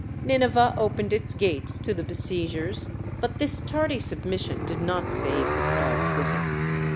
Nineveh opened its gates to the besiegers, but this tardy submission did not save the proud city.